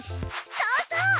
そうそう！